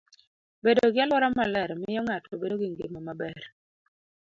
Bedo gi alwora maler miyo ng'ato bedo gi ngima maber.